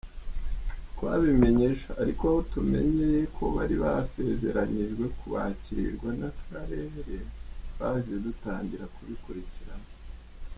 Twabimenye ejo, ariko aho tumenyeye ko bari basezeranyijwe kubakirwa n’Akarere ,twahise dutangira kubikurikirana.